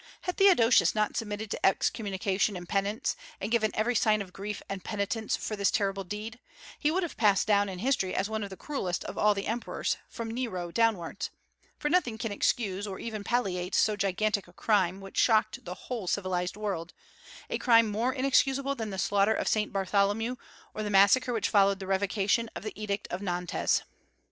Had Theodosius not submitted to excommunication and penance, and given every sign of grief and penitence for this terrible deed, he would have passed down in history as one of the cruellest of all the emperors, from Nero downwards; for nothing can excuse, or even palliate, so gigantic a crime, which shocked the whole civilized world, a crime more inexcusable than the slaughter of Saint Bartholomew or the massacre which followed the revocation of the edict of Nantes.